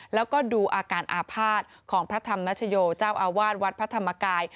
แล้วก็ดูอาการอาภาษณ์ของพระธรรมนัชโยเจ้าอาวาสวัดพระธรรมกาย